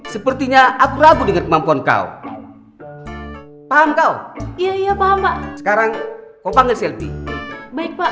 sepertinya aku ragu dengan kemampuan kau paham kau iya mama sekarang kau panggil selfie baik pak